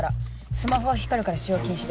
スマホは光るから使用禁止で。